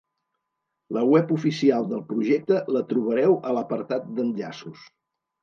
La web oficial del projecte la trobareu a l'apartat d'Enllaços.